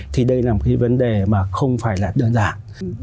thì đây là một cái vấn đề mà không phải là đơn giản